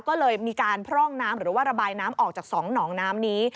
ก็เลยมีการพร่องน้ำหรือว่าระบายน้ำออกจาก๒หนองน้ำนี้